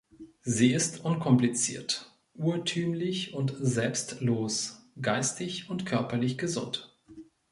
Sie ist unkompliziert, urtümlich und selbstlos, geistig und körperlich gesund.